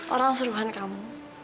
orang suruhan kamu